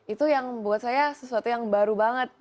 itu yang buat saya sesuatu yang baru banget